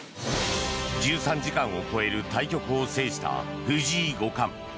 １３時間を超える対局を制した藤井五冠。